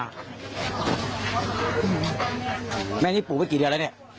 เนี่ยนี่ปูกันไปกี่เดือนละนี่